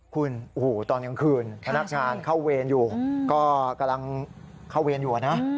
คุณโอ้โหตอนกลางคืนพนักงานเข้าเวรอยู่ก็กำลังเข้าเวรอยู่นะ